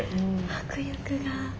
迫力が。